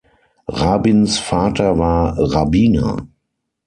Rabins Vater war Rabbiner.